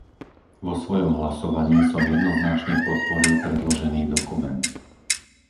Vo svojom hlasovaní som jednoznačne podporil predložený dokument.